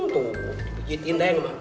tuh dipijitin den mak